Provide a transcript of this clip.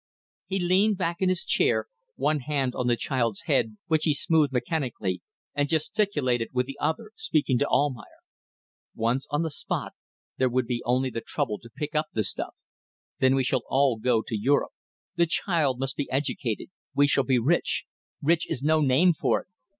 He leaned back in his chair, one hand on the child's head, which he smoothed mechanically, and gesticulated with the other, speaking to Almayer. "Once on the spot, there would be only the trouble to pick up the stuff. Then we shall all go to Europe. The child must be educated. We shall be rich. Rich is no name for it.